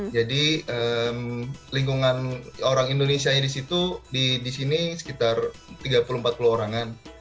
jadi lingkungan orang indonesia disitu disini sekitar tiga puluh empat puluh orangan